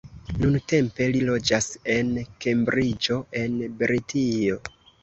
Nuntempe li loĝas en Kembriĝo en Britio.